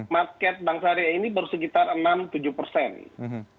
market bank syariah ini baru sebesar itu